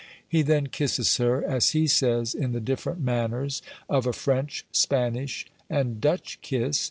He then kisses her, as he says, in the different manners of a French, Spanish and Dutch kiss.